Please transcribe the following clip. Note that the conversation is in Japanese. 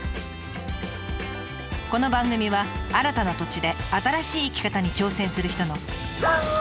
この番組は新たな土地で新しい生き方に挑戦する人の。